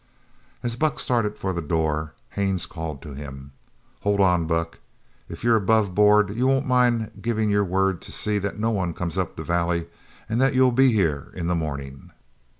As Buck started for the door Haines called to him: "Hold on, Buck, if you're aboveboard you won't mind giving your word to see that no one comes up the valley and that you'll be here in the morning?"